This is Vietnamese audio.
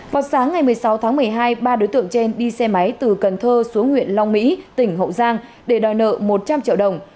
vào sáng ngày một mươi sáu tháng một mươi hai ba đối tượng trên đi xe máy từ cần thơ xuống huyện long mỹ tỉnh hậu giang để đòi nợ một trăm linh triệu đồng